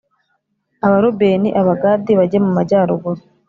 Abarubeni Abagadi bajye mumajyaruguru